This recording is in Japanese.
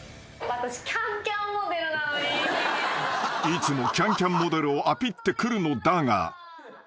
［いつも『ＣａｎＣａｍ』モデルをアピってくるのだが］